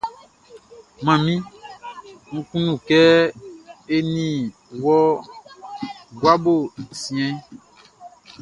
Manmi, Nʼkunnu kɛ eni wɔ ngowa siɛnʼn.